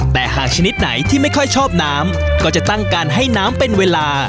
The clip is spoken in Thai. แต่หากชนิดไหนที่ไม่ค่อยชอบน้ำก็จะตั้งการให้น้ำเป็นเวลา